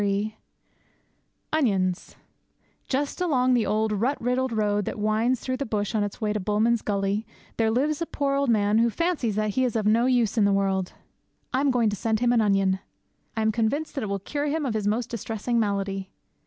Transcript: III ONIONS Just along the old rut riddled road that winds through the bush on its way to Bulman's Gully there lives a poor old man who fancies that he is of no use in the world. I am going to send him an onion. I am convinced that it will cure him of his most distressing malady.